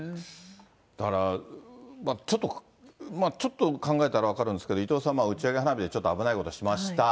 だから、ちょっと、考えたら分かるんですけど、伊藤さん、打ち上げ花火でちょっと危ないことしました。